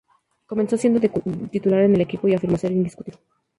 Comenzó siendo titular en el equipo y se afirmó hasta ser indiscutido.